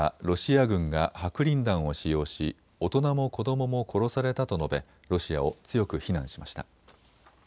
ロシア軍が白リン弾を使用し大人も子どもも殺されたと述べロシアを強く非難しました。